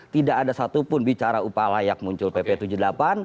tidak ada satupun bicara upah layak muncul pp tujuh puluh delapan